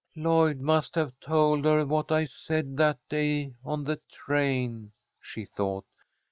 "Lloyd must have told her what I said that day on the train," she thought.